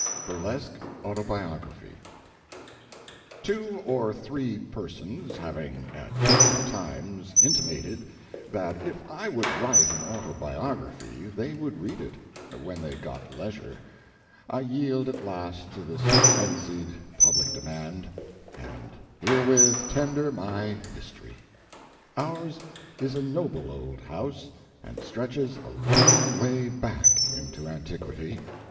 BURLESQUE AUTOBIOGRAPHY. Two or three persons having at different times intimated that if I would write an autobiography they would read it, when they got leisure, I yield at last to this frenzied public demand, and herewith tender my history: Ours is a noble old house, and stretches a long way back into antiquity.